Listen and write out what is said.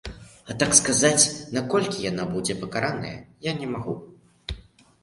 А так сказаць, на колькі яна будзе пакараная, я не магу.